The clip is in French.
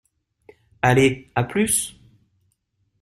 Allez, à plus!